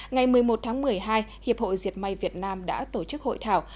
ngày một mươi một tháng một mươi hai hiệp hội diệt may việt nam đã tổ chức hội thảo